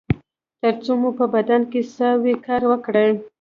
تر څو مو په بدن کې ساه وي کار وکړئ